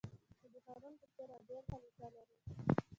چې د هارون په څېر عادل خلیفه لرئ.